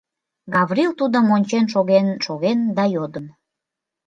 Гаврил тудым ончен шоген-шоген да йодын: